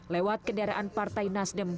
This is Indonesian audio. lewat kendaraan partai nasdem